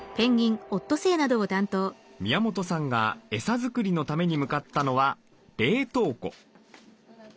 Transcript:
宮本さんがエサ作りのために向かったのは冷凍庫。